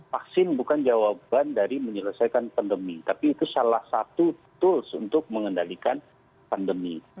vaksin bukan jawaban dari menyelesaikan pandemi tapi itu salah satu tools untuk mengendalikan pandemi